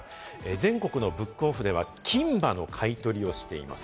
全国のブックオフでは金歯の買い取りをしています。